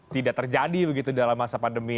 tidak terjadi begitu dalam masa pandemi